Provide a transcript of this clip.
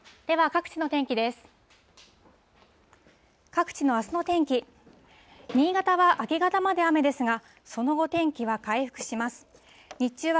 では各地の天気です。